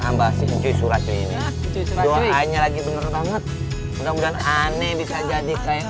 ambasin curah curah ini doanya lagi bener banget mudah mudahan aneh bisa jadi kayak